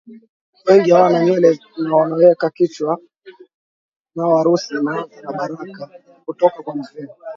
wengi hawana nywele na wanaweka kichwa chao Harusi inaanza na baraka kutoka kwa mzee